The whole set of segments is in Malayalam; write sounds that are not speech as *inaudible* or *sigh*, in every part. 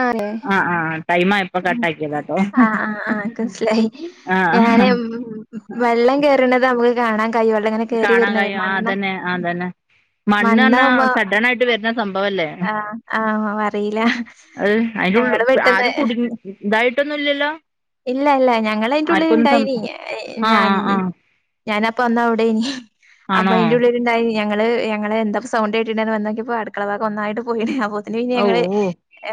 ആ ഹെ ആ ആ ടൈം ആയപ്പോ മ് കട്ടാക്കിയതാട്ടോ ആ ആ ആഹ് ൻക്കൻസിലായി ആ ഞാന് മ് മ് വല്ല് ള്ളം കേറണതമ്‌ഹ് കാണാൻ കഴിയും ആതന്നെ ആതന്നെ മണ്ണ ർഞ്ഞാ മണ്ണാവുമ്പോ സഡ നായിട്ട് വരുന്ന സംഭവല്ലേ ആഹ് ആഹ് അറിയില്ല അഹ് അയിന്റെ ഉൾ ള്ളു ഞങ്ങള് പെട്ടെന്ന് ആരും കുടുങ്ങി ഇതായിട്ടൊന്നും ഇല്യല്ലോ? ഇല്ല ഇല്ല ഞങ്ങൾ അയിന്റെ ഉള്ളിൽ ഇണ്ടായിനി ആ ഞാ ആ ആ നി ഞാൻ അപ്പ അന്ന വ്ടെനി അപ്പ ആണോ അയിന്റെ ഉള്ളിലിണ്ടായി ഞങ്ങള് ഞങ്ങള് എന്താപ്പൊ സൗണ്ടേട്ട്‌ട്ട്ന്ന് വന്നോക്കിയപ്പൊ അടുക്കള ഭാഗം ഒന്നായിട്ട് പോയി ണ്. അപ്പോത്തി അതിന് ഓ ഞങ്ങള് ഓ എ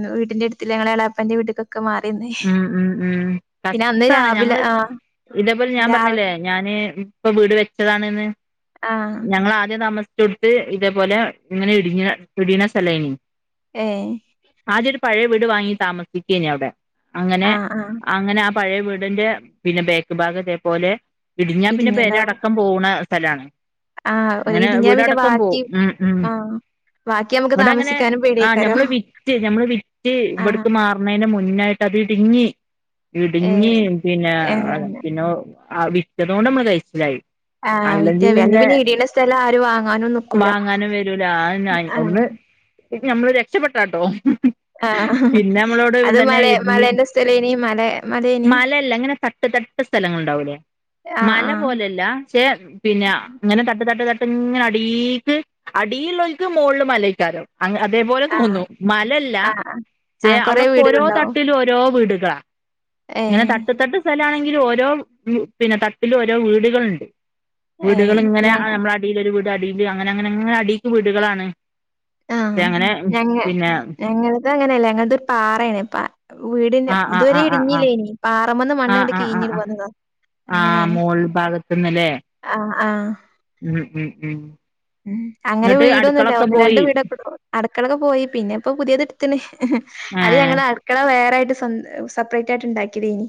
ന്ന് വീടിന്റെ എട്ത്ത്ള്ള ഞങ്ങളെ എളാപ്പന്റെ വീട്ടിക്കൊക്കെ മാറിനിന്ന് മ്.. പിന്നെ അന്ന് കഷ്ടാണ് രാവിലെ ഞങ്ങള് ആഹ് ഇതേപോലെ ഞാൻ രാവിലെ പറഞ്ഞില്ലേ ഞാന് ഏ പ്പൊ വീട് വെച്ചതാണ്ന്ന്. ആഹ് ഞങ്ങളാ ആദ്യം താമ തൊട്ട് ഇതേപോലെ ഇങ്ങനെ ഇടിഞ്ഞ ഇടിയിണസ്ഥലേനി ഏ പഴേ വീട് വാങ്ങി താമസിക്കേനി വ്ടെ അങ്ങനെ ആ ആ അങ്ങനെ അപ് പഴേ വീടിന്റെ പിന്നെ ബേക്ക് ഭാഗം ഇതേപോലെ ഇടിഞ്ഞാ പിന്നെ പെര ഇടിഞ്ഞിണ്ടാവും. അടക്കം പോകണ സ്ഥലാണ്. ആ ഒരു അങ്ങനെ ഇടിഞ്ഞാ പിന്നെ വീടടക്കം ബാക്കി പോവും ഉം ഉം ആ ബാക്കി നമുക്ക് വടെ അങ്ങനെ താമസിക്കാനും ആ പേടിയേക്കാരം. ഞമ്മള് വിറ്റ് ഞമ്മള് വിറ്റ് ആ ഇവട്ക്ക് മാറ്‌ന്നേന് മുന്നായിട്ട് അത് ഇട്ഞ്ഞ് ഏ ഇട്ഞ്ഞ് പിന്നെ ഏ പിന്നൊ ആ വിറ്റതോണ്ടമ്മള് കയിച്ചിലായി ആ വിറ്റ്. അല്ലെ പിന്നെ ഇടിയുന്ന സ്ഥലം ആരും വാങ്ങാനും നിക്കൂല വാങ്ങാനും ആ ഇത് നമ്മള് രക്ഷപ്പെട്ടാട്ടോ മ് ആ ഹാ ഹ അത് മലേ ഇടിഞ്ഞ് മലേന്റെ സ്ഥലേ നീ മല് മലല്ല ഇങ്ങനെ തട്ട് തട്ട് സ്ഥലങ്ങളുണ്ടാവൂലേ ആ മല ആ പോലല്ല ക്ഷേ പിന്നെ അങ്ങനെ ത തട്ട് തട്ട് തട്ട് ഇങ്ങനെ അടീക്ക് അടിളോൽക്ക് മോൾള്ള് മലേക്കാരം അങ്ങ അതേപോലെ ആ തോന്നും മലല്ല ആ ആ ആ ചേ കൊറെ അവിടൊക്കെ ഒരോ തട്ട് വീടുകളുണ്ടാവും. ത്രോ വീടുകളാ ഏ ങ്ങനെ തട്ട് തട്ട് സ്ഥലാണെങ്കി ൽ ഓരോ പിന്നെ തട്ടിൽ ഓരോ വീടുകളുണ്ട്. ഏ വീടുകൾ ഇങ്ങനെ ഞാൻ നമ്മുടെ അടീൽ ഒരു വീട് അടില് അങ്ങനങ്ങനെങ്ങനെ അടീക്ക് വീടുകളാണ്. ചെ ആഹ് ഞങ്ങ ഞങ്ങളത് അങ്ങനെയല്ല ഞങ്ങത് ഒരു പാറായാണ് പ വീടിന്റെ ആഹ് ആഹ് ഇതുവരെ ആഹ് ഇടിഞ്ഞില്ല ആഹ് ഇനി പാറം വന്ന് ആഹ് മണ്ണങ്ങട്ട് ആഹ് ആഹ് കീഞ്ഞിട് ആഹ് പോന്നതാ ആഹ് ആഹ് അങ്ങനെയാണ് മോൾ ഭാഗത്ത്ന്നല്ലേ ആ ആ ഉം ഉം ഉം ഉം അങ്ങനെ ഇങ്ങട്ട് വീടൊന്നുമില്ല അടുക്കളൊക്കെ ഒന്ന് രണ്ട് പോയി വീടൊക്കെ അടുക്കളൊക്കെ പോയി പിന്നെ ഇപ്പൊ പുതിയ തെടുത്തിന് അത് ഏഹ് ഞങ്ങള് അടുക്കള വേറെ ആയിട്ട് സ്വന്ത് സെപ്പറേറ്റ് ആയിട്ട് ഉണ്ടാക്കിയതിനി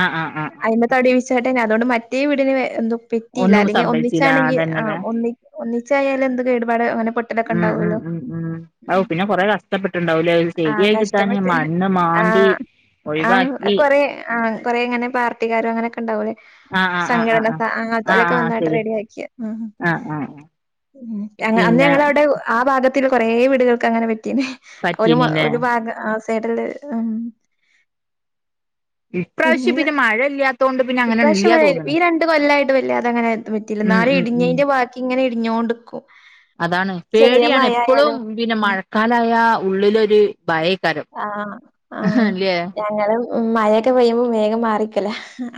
ആഹ് ആഹ് ആഹ് ആഹ് അയിന് തടി വിച്ചാട്ടെന്ന അതുകൊണ്ട് മറ്റേ വീടിന് എന്തോ പെറ്റിയില്ല ഒന്നും അല്ലെങ്കിൽ സംഭവിച്ചില്ല ഒന്നിച്ചാണെങ്കിൽ ആ അതന്നെല്ലേ ഒന്നി ഒന്നിച്ചായാലും എന്ത് കേടുപാട് അങ്ങനെ പൊട്ടലൊക്കെ ഉം ഉം ഉണ്ടാവൂല്ലോ ഉം ഉം ഔ പിന്നെ കൊറെ കഷ്ടപ്പെട്ടുണ്ടാവൂലേ അത് ആ ശരിയായി കിട്ടാന് കഷ്ടപ്പെട്ട് മണ്ണ് ആ മാന്തി ആ ഒഴിവാക്കി കൊറെ ആ കൊറെ അങ്ങനെ പാർട്ടിക്കാരും അങ്ങനൊക് ആഹ് ആഹ് ആഹ് സംഘടനത ആഹ് ആഹ് ആഹ് ആതൊലൊക്കെ ആഹ് വന്നായിട്ട് ശരി റെഡിയ ആക്കിയ ഉം ആഹ് ആഹ് ആഹ് ഉം അങ്ങ് അന്ന് പിന്നെ ഞങ്ങളവിടെ ആ ഭാഗത്തിൽ കൊറേ വീടുകൾക്ക് അങ്ങനെ പറ്റ് റ്റി ഒരുമ പറ്റീനില്ലേ ഒരു ഭാഗ സൈഡില് ഉം ഇപ്രാവശ്യം പിന്നെ മഴ ഇല്ലാ ഇപ്രാവശ്യം എതായാലും ഈ രണ്ട് കൊല്ലായിട്ട് വല്ല്യ അത അങ്ങനെ പറ്റയില്ല ഉം ഇനാള് ഉം ഉം ഇടിഞ്ഞതിന്റെ ബാക്കി ഇങ്ങനെ ഇടിഞ്ഞോണ് കൊടുക്കൂ അതാണ് പേടിയാണ് എപ്പോഴും പിന്നെ ഉം മഴക്കാലായ ഉള്ളിലൊരു ഭയേക്കാരം ആ ആ ല്ലേ ഞങ്ങള് മഴയൊക്കെ പെയ്യുമ്പോ വേഗം മാറിക്കല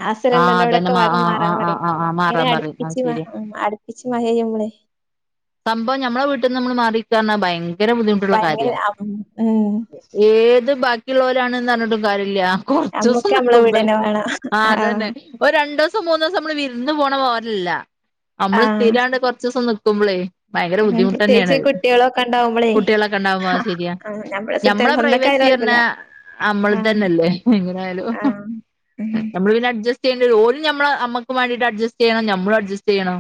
ആ ആഹ് അതന്നെ അസലല്ലല്ലോടൊക്ക മാ വേഗം ആഹ് മാറാൻ ആഹ് പറയും ആഹ് ആഹ് ഇങ്ങനെ മാറാൻ പറയും അത് അടുപ്പിച്ച് ശരിയാ അടുപ്പിച്ച് മയപെയ്യുപളെ സംഭവം ഞമ്മളെ വീട്ടിൽ നിന്ന് നമ്മള് മാറിനിക്കാന്ന ഭയങ്കര ഭയങ്കര ബുദ്ധിമുട്ടുള്ള ഭയങ്കര കാര്യമാ. അം ഉം ഏത് ബാക്കിയുള്ളവരാണെന്ന് പറഞ്ഞിട്ടും കാര്യമില്ല കൊറച്ച ദിവസം അമ്മക്ക് നമ്മളെ നിക്കുമ്പഴേ വീടന്നെ വേണം ആ ആഹ് അതന്നെ ഒരു രണ്ടു ദിവസം മൂന്നു ദിവസം നമ്മ വിരുന്ന് പോണപോൽ ലാ. നമ്മള് ആഹ് സ്ഥിരാണ്ട് കുറച്ച ദിവസം നിക്കുമ്പളേ ഭയങ്കര ഉം ബുദ്ധിമുട്ട് പ്രത്യേകിച്ച് തന്നെയാണ്ത്. കുട്ടികളൊക്കെ ഉണ്ടാവുമ്പളേ കുട്ടികളൊണ്ടാവുമ്പോയത് ശെരിയാ. ആഹ് ഞമ്മളെ സ്വത്ത ഞമ്മെളെ പ്രൈവസി സ്വന്തക്കായാലും ശെര്ക്കുപ്പറഞ്ഞ കൊഴപ്പല്ല അമ്മെള് ആഹ് തന്നല്ലേ എങ്ങനൊയാലും. ആഹ് ഉം നമ്മള് പിന്നെ അഡ്ജസ്റ്റ് ചെയ്യേണ്ടി വെരും. ഒരു നമ്മെള് നമ്മെക്ക് വേണ്ടിട്ട് അഡ്ജസ്റ്റ് ചെയ്യണം നമ്മെളും അഡ്ജസ്റ്റ് ചെയ്യണോ.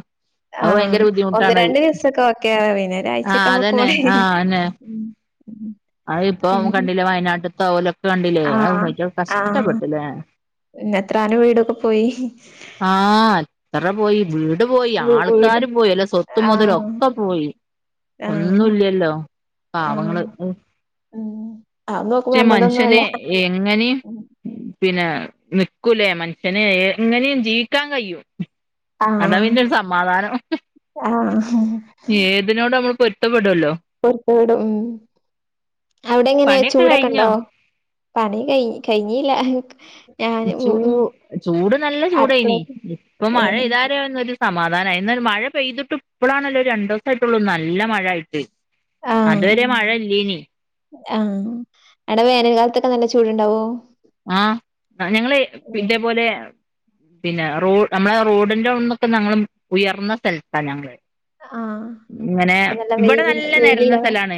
അത് ഭയങ്കര ബുദ്ധിമുട്ടാണത്. ഇപ്പോ ഓകെയാവും പിന്നെ ആഹ് ഒരാരാഴ്ച്ചക്കെ അതന്നെ പൊക്കോളിൻ. ആഹ് അന്നെ അത് ഇപ്പൊ കണ്ടില്ലേ വയനാട് കണ്ടില്ലേ അ ആഹ് *unintelligible* ആഹ് കഷ്ടപ്പെട്ടില്ലേ പിന്നെ മെത്രാന് വീടൊക്കെ പോയി. ആഹ് അത്ര പോയി വീട് പോയി വീ വീട് ആൾക്കാരും പോയി. അല്ല സ്വത്ത് മൊതലൊ. ആഹ് പോയി ആഹ് ഒന്നുല്ലില്ലോ ആഹ് പാവങ്ങള്. ഉം അത് നോക്കുമ്പോ ക്ഷെ നമ്മൾതൊന്നും അല്ല മനുഷ്യനെ എങ്ങനെ പിൻ ആ നിക്കൂലേ മനുഷ്യന് എങ്ങനെയും ജീവിക്കാൻ കഴിയും. അതാ ആഹ് പിന്നൊരു സമാധാനം. ആഹ് ഏതിനോട് നമ്മെള്പ്പെട്ടും. ർപ്പൂടും അവെടെങ്ങനെയാ പണിയൊക്കെ കഴിഞ്ഞോ ചൂടൊക്കെണ്ടോ? പണി കഴി കഴിഞ്ഞില്ല. ഞാൻ ഉ ചൂ ഉം ചൂട് നല്ല ചൂടേനി അടുക്കളേക്ക് ഇപ്പൊ മഴയിതാര വന്നിരു. സമാധാനമായി ഇന്നൊരു മഴ പെയ്തിട്ട് ഇപ്പളാണല്ലോ രണ്ടു ദിവസായിട്ടുള്ളൂ നല്ല മഴയായിട്ട്. അതുവരെ മഴ ഇല്ലേനി ആ അടെ വേനൽ കാലത്തൊക്കെ നല്ല ചൂടൊണ്ടാവോ? ആ ഞങ്ങെള് ഇതേപോലെയാ പിന്നെ റോ നമ്മെളെ റോഡിന്റെ വെടെനൊക്കെ ഞങ്ങെള് ഉയർന്ന സ്ഥലത്താ ഞങ്ങെള്. ആഹ് ഇങ്ങനെ അപ്പൊ നല്ല ഇവെടെ വെയില് നല്ല നേരന്ന വെയിലില്ലതാ സ്ഥലാണ്.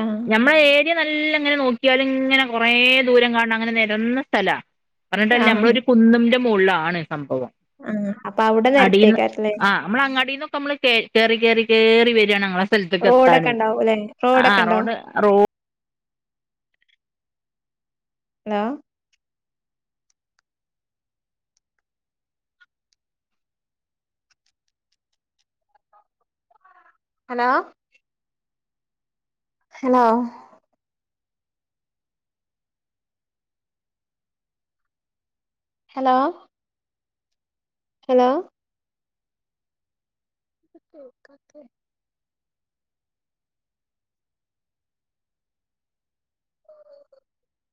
ആഹ് നമ്മെള് ഏ ഇ നല്ലങ്ങനെ നോക്കിയാലിങ്ങനെ കൊറെ ദൂരം കാൺണ അങ്ങനെ നെരന്ന സ്ഥലാ. പറഞ്ഞിട്ടെന്ന ആഹ് നമ്മളൊരു കുന്നിന്റെ മോളിലാണ്. സംഭവം. ആഹ് അപ്പൊ അവിടെ അടീന്ന് നെരപ്പേക്കാരല്ലേ ആ നമ്മെള് അങ്ങാടിന്നൊക്കെ നമ്മെള് കേറി കേറി കേറി വെരാണ് ഞങ്ങെളെ റോഡൊക്കെ സ്ഥലത്തേക്കെത്താന് ഉണ്ടാവൂല്ലേ ആ റോഡൊക്കെ ഉണ്ടാവും റോഡ് റോ ലോ ഹലോ ഹലോ ഹലോ ഹലോ ന്ത കേക്കാത്തെ